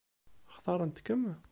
Xtaṛent-kem?